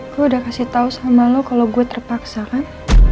gue udah kasih tau sama lo kalau gue terpaksa kan